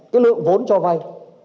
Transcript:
cái lượng vốn cho vai